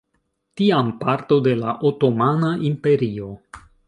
Tiam parto de la otomana imperio.